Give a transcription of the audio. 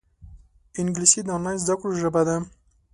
انګلیسي د آنلاین زده کړو ژبه ده